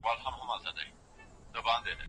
آیا دا ډول زده کړه د انسان ذهني وړتیا زیاتوي؟